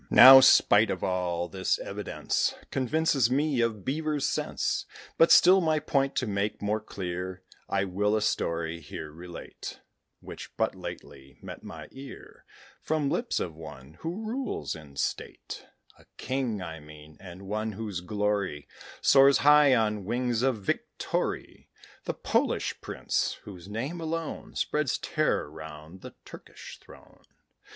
Now, spite of all, this evidence Convinces me of beavers' sense. But still, my point to make more clear, I will a story here relate, Which but lately met my ear From lips of one who rules in state: A king, I mean, and one whose glory Soars high on wings of victory The Polish prince, whose name alone Spreads terror round the Turkish throne.